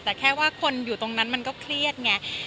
แต่แค่ว่าคนอยู่ตรงนั้นมันก็เครียดไง